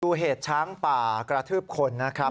ดูเหตุช้างป่ากระทืบคนนะครับ